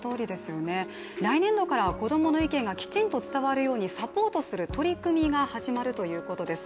来年度からは子供の意見がきちんと伝わるようにサポートする取り組みが始まるということです。